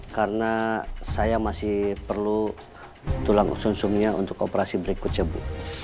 karena saya masih perlu tulang usung usungnya untuk operasi berikutnya bu